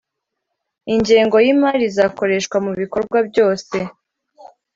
ingengo y’imari izakoreshwa mu bikorwa byose